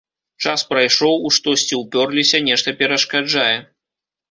Час прайшоў, у штосьці ўпёрліся, нешта перашкаджае.